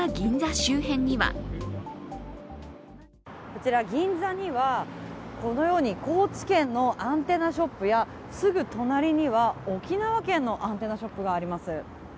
こちら、銀座には高知県のアンテナショップや、すぐ隣には沖縄県のアンテナショップがあります。